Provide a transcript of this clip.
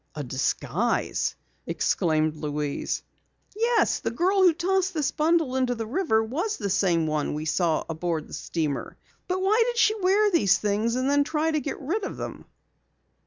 "A disguise!" exclaimed Louise. "Yes, the girl who tossed this bundle into the river was the same one we saw aboard the steamer! But why did she wear these things and then try to get rid of them?"